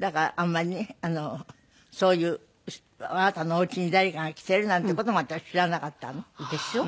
だからあんまりねそういうあなたのお家に誰かが来ているなんて事も私知らなかったの。でしょ？